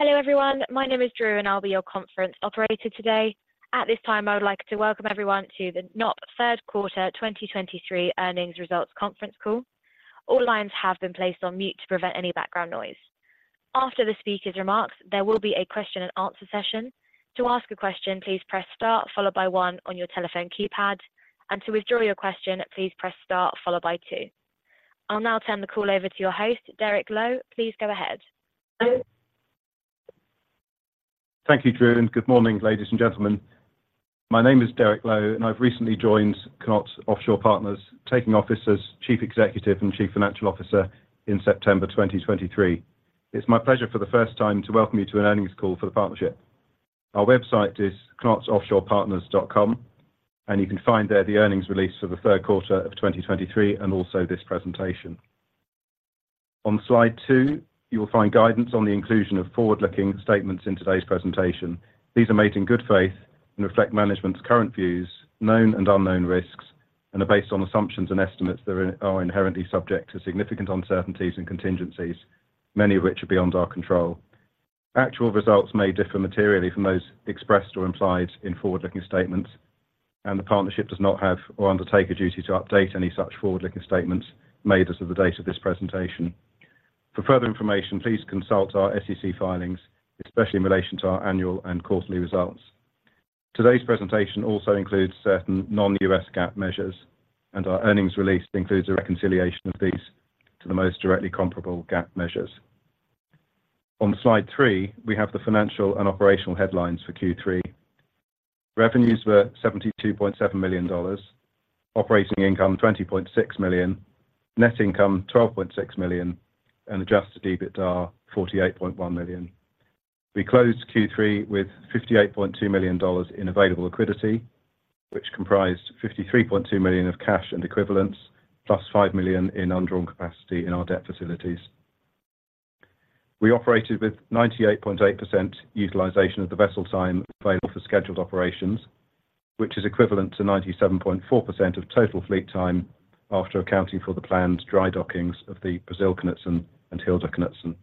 Hello, everyone. My name is Drew, and I'll be your conference operator today. At this time, I would like to welcome everyone to the KNOT third quarter 2023 earnings results conference call. All lines have been placed on mute to prevent any background noise. After the speaker's remarks, there will be a question and answer session. To ask a question, please press star, followed by one on your telephone keypad, and to withdraw your question, please press star, followed by two. I'll now turn the call over to your host, Derek Lowe. Please go ahead. Thank you, Drew, and good morning, ladies and gentlemen. My name is Derek Lowe, and I've recently joined KNOT Offshore Partners, taking office as Chief Executive Officer and Chief Financial Officer in September 2023. It's my pleasure for the first time to welcome you to an earnings call for the partnership. Our website is knotoffshorepartners.com, and you can find there the earnings release for the third quarter of 2023, and also this presentation. On Slide 2, you will find guidance on the inclusion of forward-looking statements in today's presentation. These are made in good faith and reflect management's current views, known and unknown risks, and are based on assumptions and estimates that are inherently subject to significant uncertainties and contingencies, many of which are beyond our control. Actual results may differ materially from those expressed or implied in forward-looking statements, and the partnership does not have or undertake a duty to update any such forward-looking statements made as of the date of this presentation. For further information, please consult our SEC filings, especially in relation to our annual and quarterly results. Today's presentation also includes certain non-U.S. GAAP measures, and our earnings release includes a reconciliation of these to the most directly comparable GAAP measures. On Slide three, we have the financial and operational headlines for Q3. Revenues were $72.7 million, operating income $20.6 million, net income $12.6 million, and Adjusted EBITDA $48.1 million. We closed Q3 with $58.2 million in available liquidity, which comprised $53.2 million of cash and equivalents, plus $5 million in undrawn capacity in our debt facilities. We operated with 98.8% utilization of the vessel time available for scheduled operations, which is equivalent to 97.4% of total fleet time after accounting for the planned dry dockings of the Brasil Knutsen and Hilda Knutsen.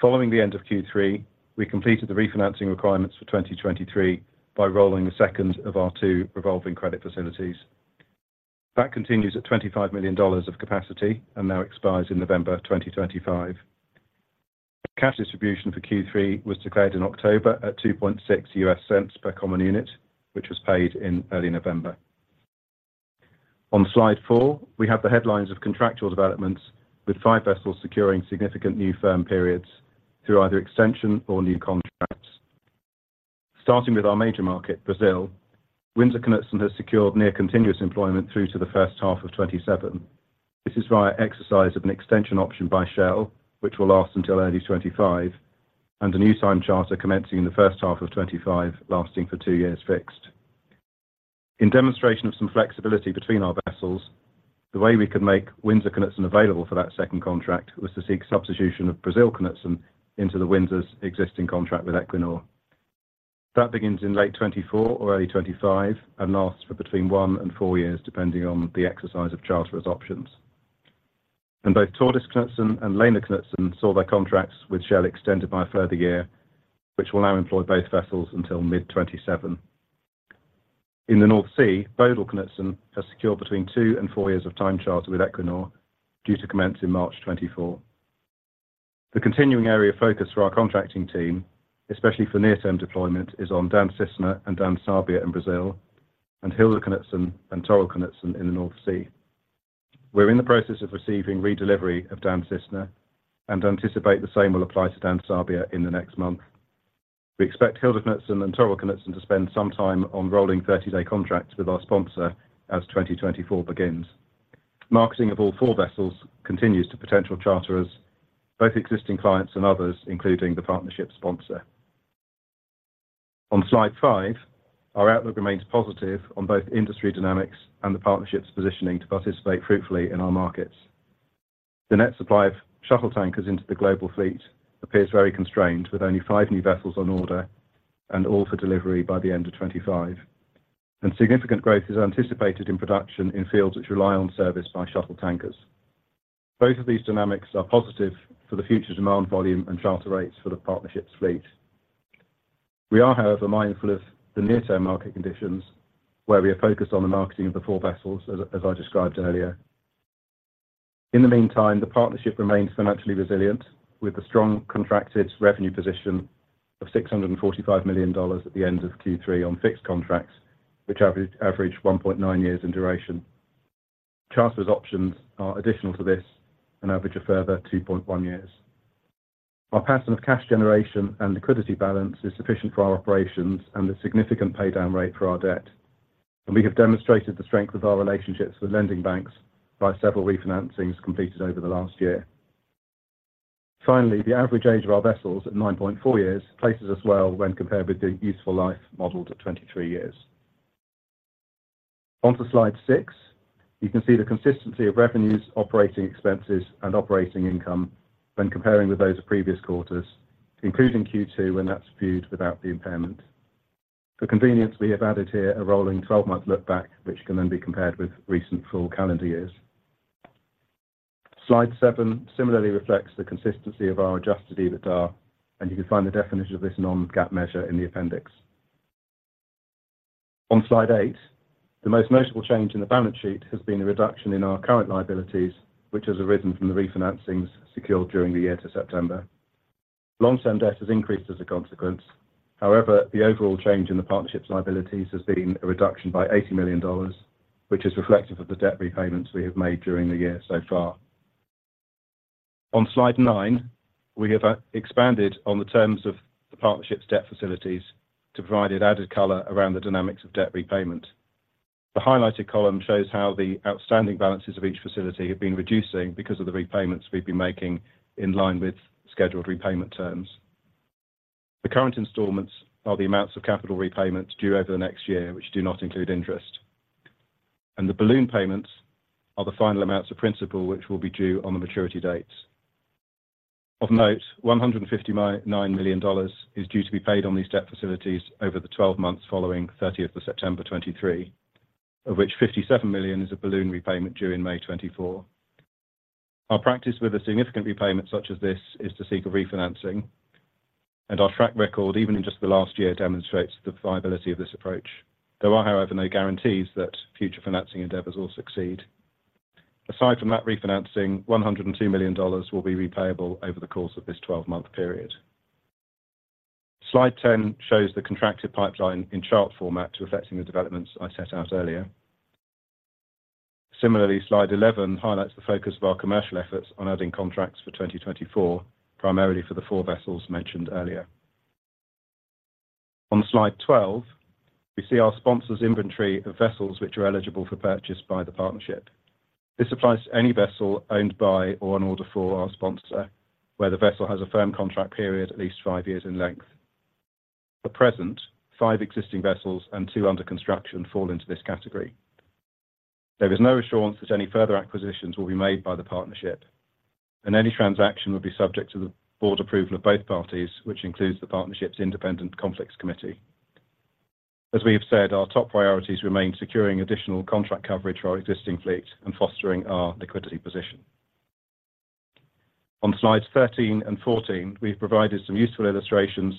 Following the end of Q3, we completed the refinancing requirements for 2023 by rolling the second of our two revolving credit facilities. That continues at $25 million of capacity and now expires in November of 2025. Cash distribution for Q3 was declared in October at $0.026 per common unit, which was paid in early November. On Slide four, we have the headlines of contractual developments, with five vessels securing significant new firm periods through either extension or new contracts. Starting with our major market, Brazil, Windsor Knutsen has secured near continuous employment through to the first half of 2027. This is via exercise of an extension option by Shell, which will last until early 2025, and a new time charter commencing in the first half of 2025, lasting for 2 years fixed. In demonstration of some flexibility between our vessels, the way we could make Windsor Knutsen available for that second contract was to seek substitution of Brasil Knutsen into the Windsor's existing contract with Equinor. That begins in late 2024 or early 2025 and lasts for between 1 and 4 years, depending on the exercise of charterers options. And both Tordis Knutsen and Lena Knutsen saw their contracts with Shell extended by a further year, which will now employ both vessels until mid-2027. In the North Sea, Bodil Knutsen has secured between 2 and 4 years of time charter with Equinor, due to commence in March 2024. The continuing area of focus for our contracting team, especially for near-term deployment, is on Dan Cisne and Dan Sabia in Brazil, and Hilda Knutsen and Torill Knutsen in the North Sea. We're in the process of receiving redelivery of Dan Cisne and anticipate the same will apply to Dan Sabia in the next month. We expect Hilda Knutsen and Torill Knutsen to spend some time on rolling 30-day contracts with our sponsor as 2024 begins. Marketing of all four vessels continues to potential charterers, both existing clients and others, including the partnership sponsor. On Slide 5, our outlook remains positive on both industry dynamics and the partnership's positioning to participate fruitfully in our markets. The net supply of shuttle tankers into the global fleet appears very constrained, with only five new vessels on order and all for delivery by the end of 2025, and significant growth is anticipated in production in fields which rely on service by shuttle tankers. Both of these dynamics are positive for the future demand volume and charter rates for the partnership's fleet. We are, however, mindful of the near-term market conditions, where we are focused on the marketing of the four vessels as, as I described earlier. In the meantime, the partnership remains financially resilient, with a strong contracted revenue position of $645 million at the end of Q3 on fixed contracts, which average, average 1.9 years in duration. Charterers options are additional to this and average a further 2.1 years. Our pattern of cash generation and liquidity balance is sufficient for our operations and a significant paydown rate for our debt, and we have demonstrated the strength of our relationships with lending banks by several refinancings completed over the last year. Finally, the average age of our vessels, at 9.4 years, places us well when compared with the useful life modeled at 23 years. On to Slide 6, you can see the consistency of revenues, operating expenses, and operating income when comparing with those of previous quarters, including Q2, and that's viewed without the impairment. For convenience, we have added here a rolling 12-month look back, which can then be compared with recent full calendar years. Slide 7 similarly reflects the consistency of our Adjusted EBITDA, and you can find the definition of this non-GAAP measure in the appendix. On slide eight, the most notable change in the balance sheet has been a reduction in our current liabilities, which has arisen from the refinancings secured during the year to September. Long-term debt has increased as a consequence. However, the overall change in the partnership's liabilities has been a reduction by $80 million, which is reflective of the debt repayments we have made during the year so far. On slide nine, we have expanded on the terms of the partnership's debt facilities to provide it added color around the dynamics of debt repayment. The highlighted column shows how the outstanding balances of each facility have been reducing because of the repayments we've been making in line with scheduled repayment terms. The current installments are the amounts of capital repayments due over the next year, which do not include interest, and the balloon payments are the final amounts of principal, which will be due on the maturity dates. Of note, $159 million is due to be paid on these debt facilities over the 12 months following 30th of September 2023, of which $57 million is a balloon repayment due in May 2024. Our practice with a significant repayment such as this is to seek a refinancing, and our track record, even in just the last year, demonstrates the viability of this approach. There are, however, no guarantees that future financing endeavors will succeed. Aside from that refinancing, $102 million will be repayable over the course of this 12-month period. Slide 10 shows the contracted pipeline in chart format reflecting the developments I set out earlier. Similarly, slide 11 highlights the focus of our commercial efforts on adding contracts for 2024, primarily for the four vessels mentioned earlier. On slide 12, we see our sponsor's inventory of vessels, which are eligible for purchase by the partnership. This applies to any vessel owned by or in order for our sponsor, where the vessel has a firm contract period at least five years in length. At present, five existing vessels and two under construction fall into this category. There is no assurance that any further acquisitions will be made by the partnership, and any transaction would be subject to the Board approval of both parties, which includes the partnership's independent conflicts committee. As we have said, our top priorities remain securing additional contract coverage for our existing fleet and fostering our liquidity position. On slides 13 and 14, we've provided some useful illustrations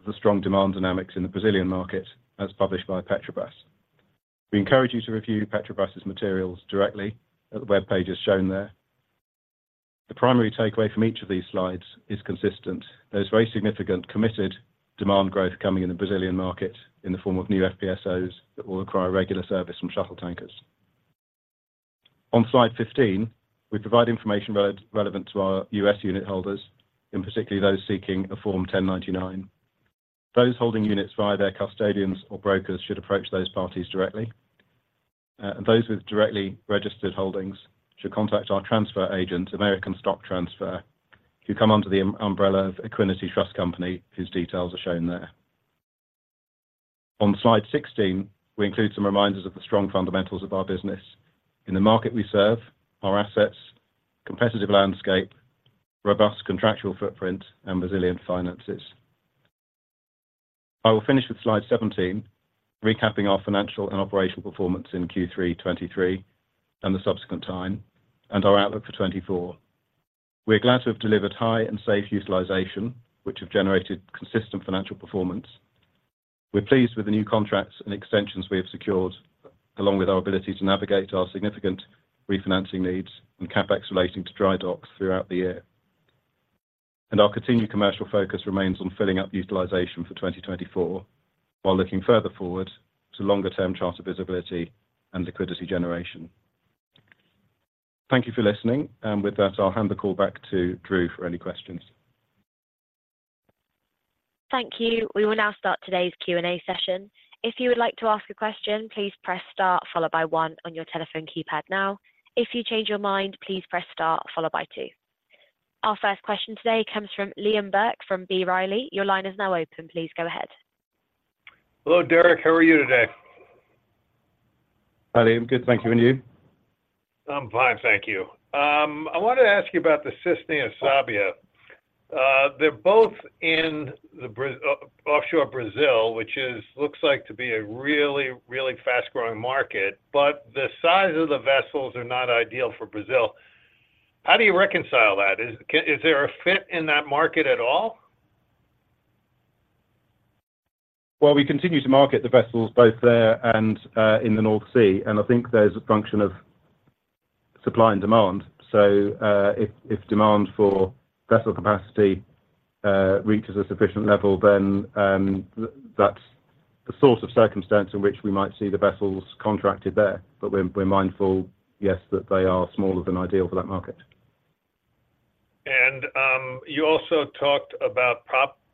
of the strong demand dynamics in the Brazilian market as published by Petrobras. We encourage you to review Petrobras's materials directly at the web pages shown there. The primary takeaway from each of these slides is consistent. There's very significant committed demand growth coming in the Brazilian market in the form of new FPSOs that will require regular service from shuttle tankers. On slide 15, we provide information relevant to our U.S. unit holders, in particular those seeking a Form 1099. Those holding units via their custodians or brokers should approach those parties directly, and those with directly registered holdings should contact our transfer agent, American Stock Transfer, who come under the umbrella of Equiniti Trust Company, whose details are shown there. On slide 16, we include some reminders of the strong fundamentals of our business. In the market we serve, our assets, competitive landscape, robust contractual footprint, and resilient finances. I will finish with slide 17, recapping our financial and operational performance in Q3 2023 and the subsequent time, and our outlook for 2024. We are glad to have delivered high and safe utilization, which have generated consistent financial performance. We're pleased with the new contracts and extensions we have secured, along with our ability to navigate our significant refinancing needs and CapEx relating to dry docks throughout the year. Our continued commercial focus remains on filling up the utilization for 2024, while looking further forward to longer-term charter visibility and liquidity generation. Thank you for listening, and with that, I'll hand the call back to Drew for any questions. Thank you. We will now start today's Q&A session. If you would like to ask a question, please press star followed by one on your telephone keypad now. If you change your mind, please press star followed by two. Our first question today comes from Liam Burke from B. Riley. Your line is now open. Please go ahead. Hello, Derek. How are you today? Hi, Liam. Good, thank you, and you? I'm fine, thank you. I wanted to ask you about the Dan Cisne and Dan Sabia. They're both in the Brazilian offshore, Brazil, which looks like to be a really, really fast-growing market, but the size of the vessels are not ideal for Brazil. How do you reconcile that? Is there a fit in that market at all? Well, we continue to market the vessels both there and in the North Sea, and I think there's a function of supply and demand. So, if demand for vessel capacity reaches a sufficient level, then that's the sort of circumstance in which we might see the vessels contracted there. But we're mindful, yes, that they are smaller than ideal for that market. You also talked about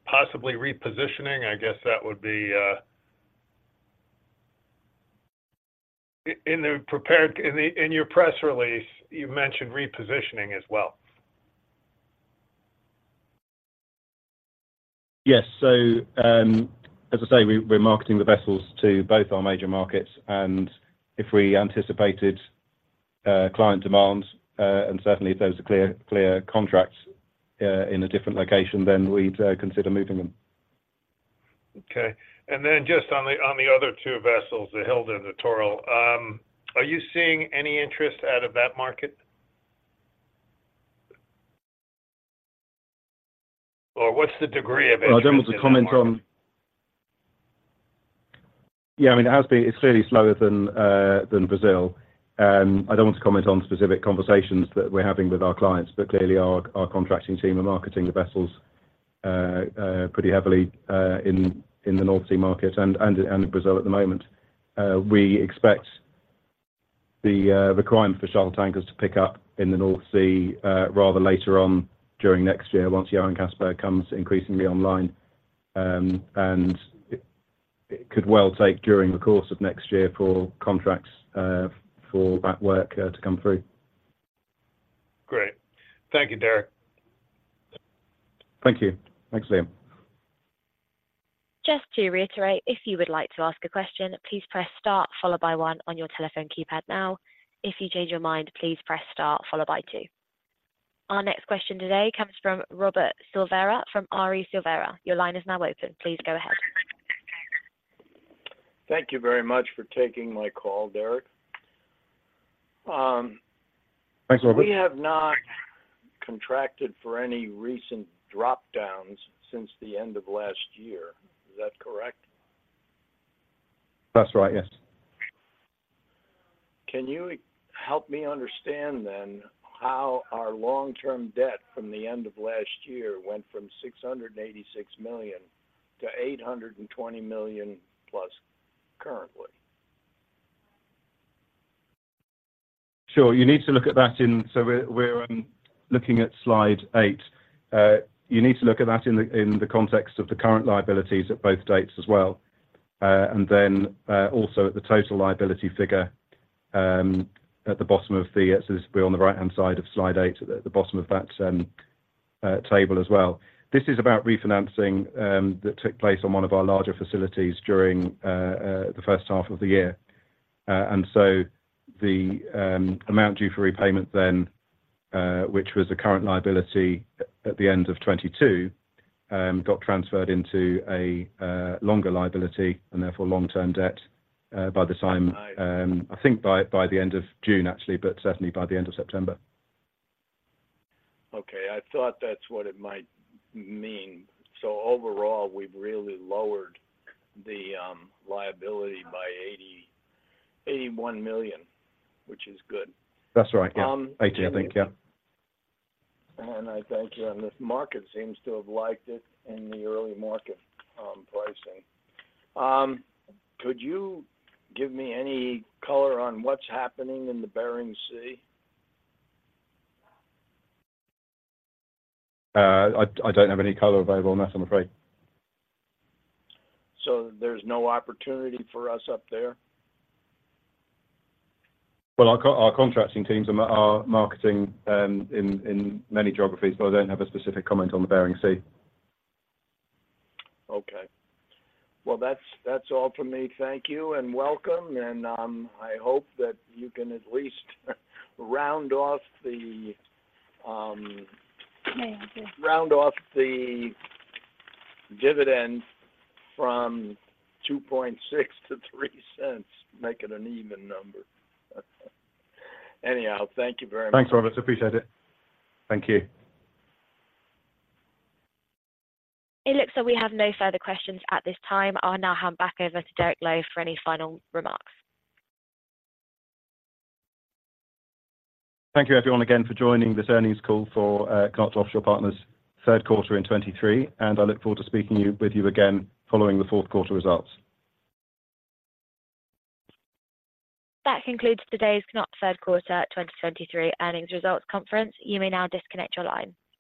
possibly repositioning. I guess that would be... In the prepared, in your press release, you mentioned repositioning as well. Yes. So, as I say, we, we're marketing the vessels to both our major markets, and if we anticipated, client demand, and certainly if those are clear, clear contracts, in a different location, then we'd, consider moving them.... Okay, and then just on the, on the other two vessels, the Hilda and the Torill, are you seeing any interest out of that market? Or what's the degree of interest in that market? Well, I don't want to comment on-- Yeah, I mean, it has been, it's clearly slower than than Brazil. I don't want to comment on specific conversations that we're having with our clients, but clearly, our contracting team are marketing the vessels pretty heavily in the North Sea market and Brazil at the moment. We expect the requirement for shuttle tankers to pick up in the North Sea rather later on during next year once Johan Castberg comes increasingly online. And it could well take during the course of next year for contracts for that work to come through. Great. Thank you, Derek. Thank you. Thanks, Liam. Just to reiterate, if you would like to ask a question, please press star followed by one on your telephone keypad now. If you change your mind, please press star followed by two. Our next question today comes from Robert Silvera from R.E. Silvera. Your line is now open. Please go ahead. Thank you very much for taking my call, Derek. Thanks, Robert. We have not contracted for any recent drop-downs since the end of last year. Is that correct? That's right, yes. Can you help me understand then, how our long-term debt from the end of last year went from $686 million to $820 million+ currently? Sure. So we're looking at slide 8. You need to look at that in the context of the current liabilities at both dates as well, and then also at the total liability figure at the bottom of the table. It's on the right-hand side of slide 8, at the bottom of that table as well. This is about refinancing that took place on one of our larger facilities during the first half of the year. And so the amount due for repayment then, which was a current liability at the end of 2022, got transferred into a longer liability and therefore long-term debt by the time- I think by the end of June, actually, but certainly by the end of September. Okay. I thought that's what it might mean. So overall, we've really lowered the liability by $81 million, which is good. That's right. Yeah. Thank you. I think, yeah. I thank you, and this market seems to have liked it in the early market pricing. Could you give me any color on what's happening in the Barents Sea? I don't have any color available on that, I'm afraid. So there's no opportunity for us up there? Well, our contracting teams are marketing in many geographies, but I don't have a specific comment on the Barents Sea. Okay. Well, that's, that's all from me. Thank you, and welcome, and, I hope that you can at least round off the, round off the dividends from $0.026-$0.03, make it an even number. Anyhow, thank you very much. Thanks, Robert. Appreciate it. Thank you. It looks like we have no further questions at this time. I'll now hand back over to Derek Lowe for any final remarks. Thank you, everyone, again for joining this earnings call for KNOT Offshore Partners third quarter in 2023, and I look forward to speaking you, with you again following the fourth quarter results. That concludes today's KNOT's third quarter 2023 earnings results conference. You may now disconnect your line.